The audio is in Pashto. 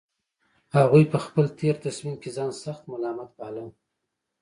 هغوی په خپل تېر تصميم کې ځان سخت ملامت باله